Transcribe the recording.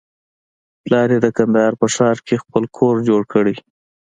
پلار يې د کندهار په ښار کښې خپل کور جوړ کړى.